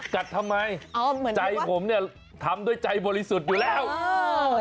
กัดทำไมใจผมเนี่ยทำด้วยใจบริสุทธิ์อยู่แล้วอ๋อเหมือนว่าอ๋อ